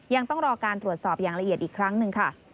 ยังต้องรอการตรวจสอบอย่างละเอียดอีกครั้งหนึ่งค่ะ